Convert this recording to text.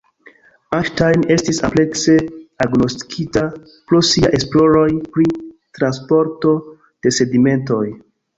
Einstein estis amplekse agnoskita pro sia esploroj pri transporto de sedimentoj.